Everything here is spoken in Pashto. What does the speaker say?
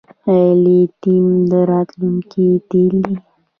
آیا لیتیم د راتلونکي تیل دي؟